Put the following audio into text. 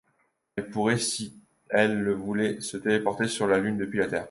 Elle pourrait, si elle le voulait, se téléporter sur la Lune depuis la Terre.